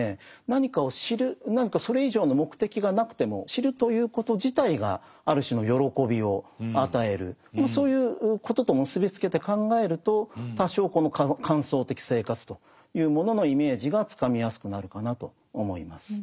何かを知る何かそれ以上の目的がなくてもそういうことと結び付けて考えると多少この観想的生活というもののイメージがつかみやすくなるかなと思います。